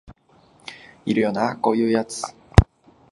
いるよなこういうやつ